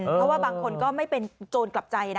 เพราะว่าบางคนก็ไม่เป็นโจรกลับใจนะ